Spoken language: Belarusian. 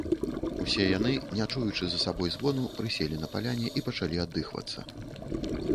Усе яны, не чуючы за сабой звону, прыселі на паляне і пачалі аддыхвацца.